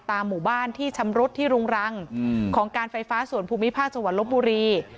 หมู่บ้านที่ชำรุดที่รุงรังของการไฟฟ้าส่วนภูมิภาคจังหวัดลบบุรี